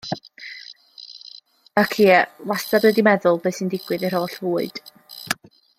Ac ie, wastad wedi meddwl beth sy'n digwydd i'r holl fwyd.